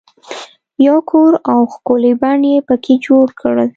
یو کور او ښکلی بڼ یې په کې جوړ کړل.